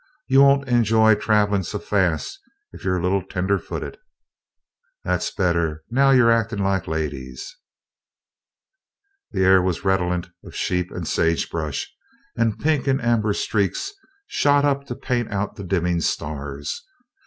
You won't enjoy traveling' so fast, if you're a little tender footed. "That's better now you're actin' like ladies!" The air was redolent of sheep and sagebrush, and pink and amber streaks shot up to paint out the dimming stars.